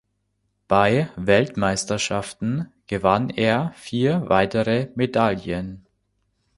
Bei Weltmeisterschaften gewann er vier weitere Medaillen.